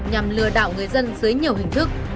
nhằm lừa đạo người dân dưới nhiều hình thức